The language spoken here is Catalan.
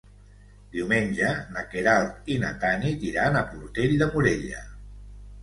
Diumenge na Queralt i na Tanit iran a Portell de Morella.